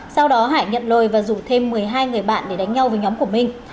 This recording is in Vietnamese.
sau đó hải nhận lời và rủ thêm một mươi hai người bạn để đánh nhau với nhóm của minh